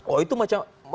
oh itu macam